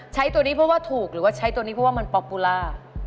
ใช้ตัวนี้เพราะว่าถูกหรือว่าใช้ตัวนี้เพราะว่ามันป๊อปปูล่า